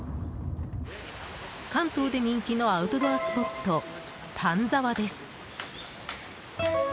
関東で人気のアウトドアスポット丹沢です。